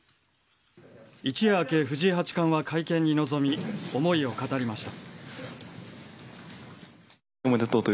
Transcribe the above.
一夜明け、藤井八冠は会見に臨み思いを語りました。